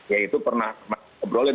ya itu pernah kita ngobrolin